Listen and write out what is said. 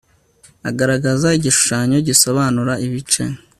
agaragaza igishushanyo gisobanura ibice